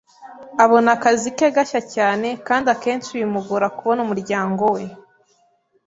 abona akazi ke gashya cyane, kandi akenshi bimugora kubona umuryango we.